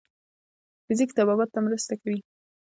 فزیک طبابت ته مرسته کوي.